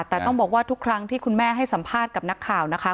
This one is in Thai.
แต่ต้องบอกว่าทุกครั้งที่คุณแม่ให้สัมภาษณ์กับนักข่าวนะคะ